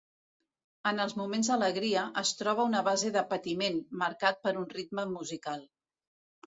En els moments d’alegria, es troba una base de patiment, marcat per un ritme musical.